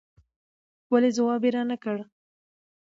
ولې ځواب يې را نه کړ